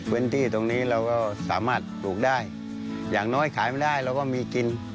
พื้นที่ตรงนี้เราก็สามารถปลูกได้อย่างน้อยขายไม่ได้เราก็มีกิน